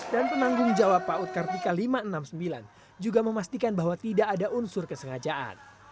penanggung jawab paut kartika lima ratus enam puluh sembilan juga memastikan bahwa tidak ada unsur kesengajaan